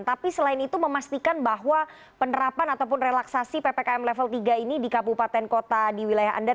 tapi selain itu memastikan bahwa penerapan ataupun relaksasi ppkm level tiga ini di kabupaten kota di wilayah anda